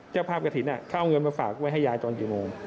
เจ้าภาพกระถิ่นเขาเอาเงินมาฝากไว้ให้ยายตอนกี่โมง